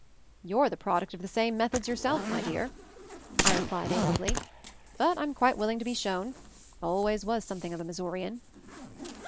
"You're the product of the same methods yourself, my dear," I replied amiably; "but I'm quite willing to be shown — always was something of a Missourian."